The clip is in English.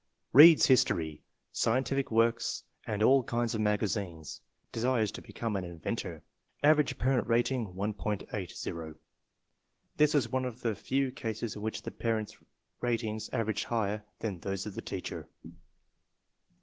Reads history, scien tific works and all kinds of magazines. Desires to become an inventor. Average parent rating, 1.80. (This was one of the few cases in which the parent's ratings averaged higher than those of the teacher.)